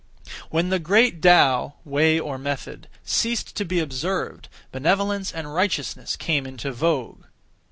When the Great Tao (Way or Method) ceased to be observed, benevolence and righteousness came into vogue.